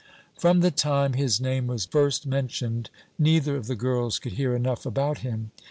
"From the time his name was first mentioned, neither of the girls could hear enough about him.